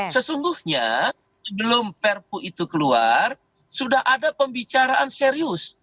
sesungguhnya sebelum perpu itu keluar sudah ada pembicaraan serius